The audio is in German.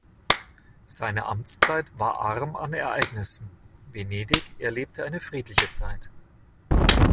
Seine Amtszeit war arm an Ereignissen, Venedig erlebte eine friedliche Zeit.